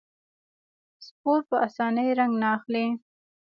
سپور په اسانۍ رنګ نه اخلي.